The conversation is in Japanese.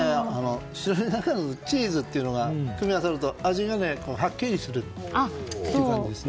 白身魚とチーズというのが組み合わせると味がはっきりする感じですね。